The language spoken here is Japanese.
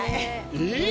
えっ？